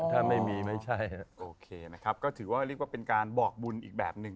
ถ้าไม่มีไม่ใช่โอเคนะครับก็ถือว่าเรียกว่าเป็นการบอกบุญอีกแบบหนึ่ง